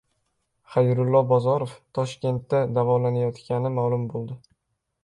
Xayrullo Bozorov Toshkentda davolanayotgani ma’lum bo‘ldi